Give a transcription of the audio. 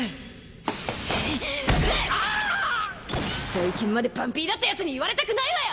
最近までパンピーだったヤツに言われたくないわよ！